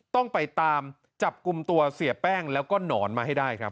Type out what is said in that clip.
ต้องไปตามจับกลุ่มตัวเสียแป้งแล้วก็หนอนมาให้ได้ครับ